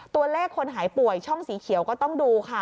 ตัวเลขคนหายป่วยช่องสีเขียวก็ต้องดูค่ะ